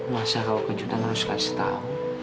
masa kau kejutan harus restau